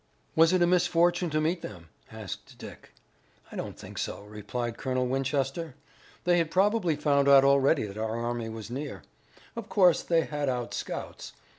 "Was it a misfortune to meet them?" asked Dick. "I don't think so," replied Colonel Winchester. "They had probably found out already that our army was near. Of course they had out scouts.